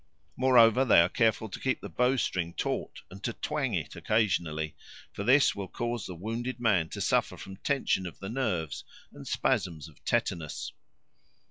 Moreover, they are careful to keep the bow string taut and to twang it occasionally, for this will cause the wounded man to suffer from tension of the nerves and spasms of tetanus.